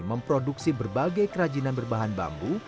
memproduksi berbagai kerajinan berbahan bambu